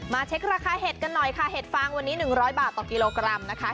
เช็คราคาเห็ดกันหน่อยค่ะเห็ดฟางวันนี้๑๐๐บาทต่อกิโลกรัมนะคะ